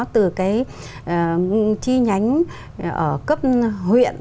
từ chi nhánh ở cấp huyện